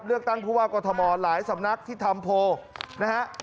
เลือกตั้งผู้ว่ากวทมหลายสำนักที่ทำโพลนะครับ